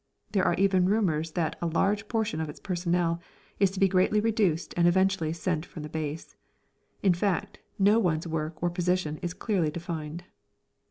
There are even rumours that a large portion of its personnel is to be greatly reduced and eventually sent from the base. In fact, no one's work or position is clearly defined.